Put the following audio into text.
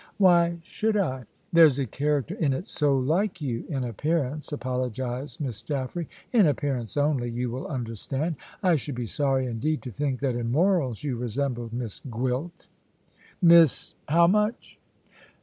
"Why should I?" "There's a character in it so like you, in appearance," apologised Miss Jaffray; "in appearance only, you will understand. I should be sorry indeed to think that in morals you resembled Miss Gwilt." "Miss how much?"